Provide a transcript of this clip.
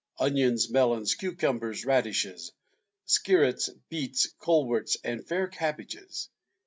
Onions, melons, cucumbers, radishes, Skirets, beets, coleworts, and fair cabbages.